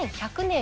１００年？